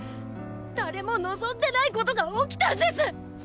誰も望んでないことが起きたんです！